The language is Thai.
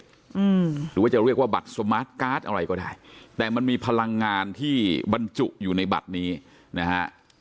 หรือว่าจะเรียกว่าบัตรสมาร์ทการ์ดอะไรก็ได้แต่มันมีพลังงานที่บรรจุอยู่ในบัตรนี้นะฮะ